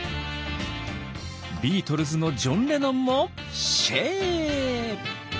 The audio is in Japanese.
ビートルズのジョン・レノンも「シェー！」。